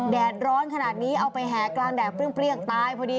แดดร้อนขนาดนี้เอาไปแห่กลางแดดเปรี้ยงตายพอดี